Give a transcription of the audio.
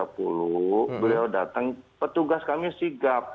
beliau datang petugas kami sigap